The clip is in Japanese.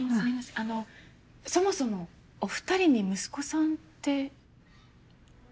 あのそもそもお二人に息子さんって？